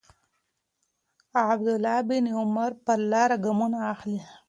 عبدالله بن عمر پر لاره ګامونه اخلي.